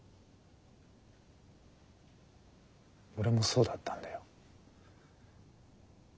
俺もそうだったんだよ。